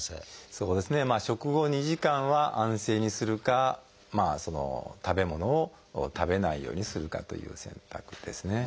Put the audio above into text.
そうですね食後２時間は安静にするかその食べ物を食べないようにするかという選択ですね。